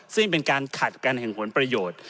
ซึ่งเป็นการขัดกันแห่งผลประโยชน์